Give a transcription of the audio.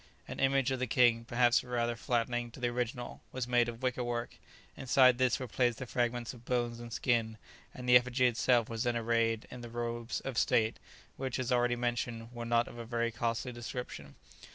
An image of the king, perhaps rather flattering to the original, was made of wicker work; inside this were placed the fragments of bones and skin, and the effigy itself was then arrayed in the robes of state, which, as already mentioned, were not of a very costly description.